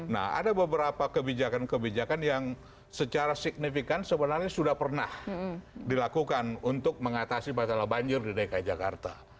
nah ada beberapa kebijakan kebijakan yang secara signifikan sebenarnya sudah pernah dilakukan untuk mengatasi masalah banjir di dki jakarta